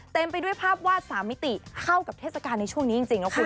เต็มไปด้วยภาพวาด๓มิติเข้ากับเทศกาลในช่วงนี้จริงนะคุณ